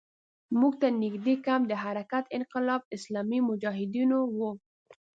موږ ته نږدې کمپ د حرکت انقلاب اسلامي مجاهدینو وو.